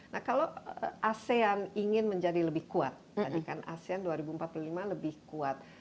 nah kalau asean ingin menjadi lebih kuat tadi kan asean dua ribu empat puluh lima lebih kuat